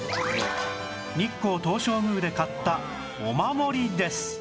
日光東照宮で買ったお守りです